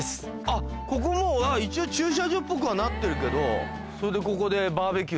あっここも一応駐車場っぽくはなってるけどそれでここで。